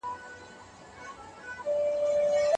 د خوړو مسمومیت د انسان انرژي کموي.